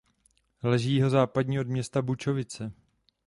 Leží jihozápadně od města Bučovice.